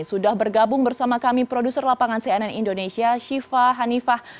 sudah bergabung bersama kami produser lapangan cnn indonesia syifa hanifah